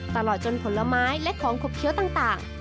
ตลอดจนผลไม้และของขบเคี้ยวต่าง